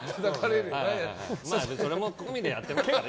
それも込みでやってますから。